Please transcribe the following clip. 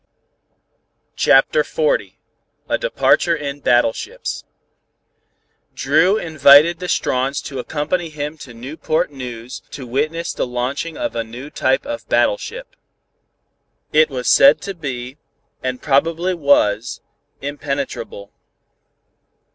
CHAPTER XL A DEPARTURE IN BATTLESHIPS Dru invited the Strawns to accompany him to Newport News to witness the launching of a new type of battleship. It was said to be, and probably was, impenetrable.